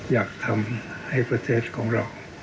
อยากทำให้ประเทศของเรา